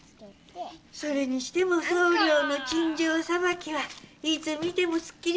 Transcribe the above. それにしても総領の陳情さばきはいつ見てもすっきりするね。